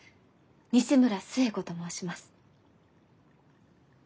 西村寿恵子と申します。